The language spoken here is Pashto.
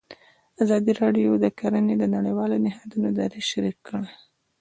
ازادي راډیو د کرهنه د نړیوالو نهادونو دریځ شریک کړی.